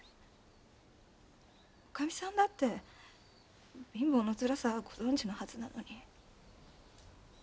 女将さんだって貧乏のつらさはご存じのはずなのに。